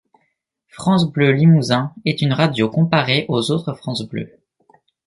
France Bleu Limousin est une radio comparée aux autres France Bleu.